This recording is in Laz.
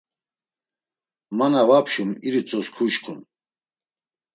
Ma na vapşum iritzos kuşǩun.